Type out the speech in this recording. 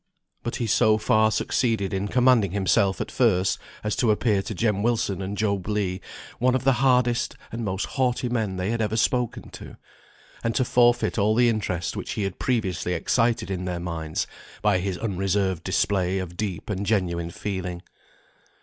But he so far succeeded in commanding himself at first, as to appear to Jem Wilson and Job Legh one of the hardest and most haughty men they had ever spoken to, and to forfeit all the interest which he had previously excited in their minds by his unreserved display of deep and genuine feeling.